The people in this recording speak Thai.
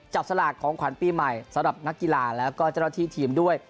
สลากของขวัญปีใหม่สำหรับนักกีฬาแล้วก็เจ้าหน้าที่ทีมด้วย